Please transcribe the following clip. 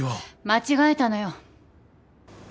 間違えたのよ。